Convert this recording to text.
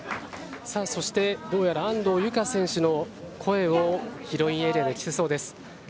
そしてどうやら安藤友香選手の声をヒロインエリアで聞けそうです。